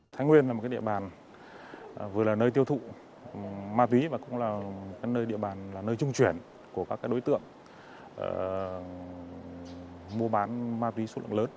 thái nguyên là một địa bàn vừa là nơi tiêu thụ ma túy và cũng là nơi trung chuyển của các đối tượng mua bán ma túy số lượng lớn